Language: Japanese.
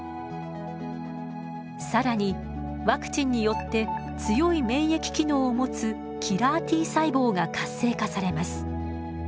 更にワクチンによって強い免疫機能を持つキラーＴ細胞が活性化されます。